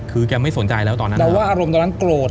คือแกไม่สนใจแล้วตอนนั้นแต่ว่าอารมณ์ตอนนั้นโกรธ